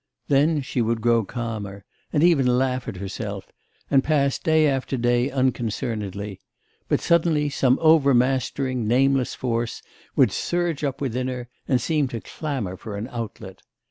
Then she would grow calmer, and even laugh at herself, and pass day after day unconcernedly; but suddenly some over mastering, nameless force would surge up within her, and seem to clamour for an outlet.